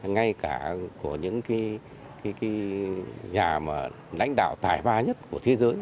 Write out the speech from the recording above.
ngay cả của những nhà lãnh đạo tài hoa nhất của thế giới